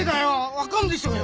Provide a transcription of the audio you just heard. わかんでしょうよ。